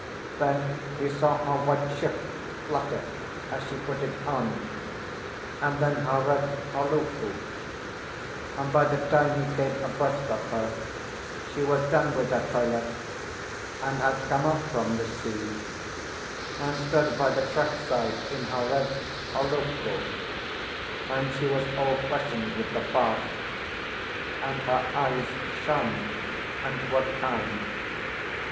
Then he saw her white shift flutter as she put it on, and then her red holoku; and by the time he came abreast of her she was done with her toilet, and had come up from the sea, and stood by the track side in her red holoku, and she was all freshened with the bath, and her eyes shone and were kind.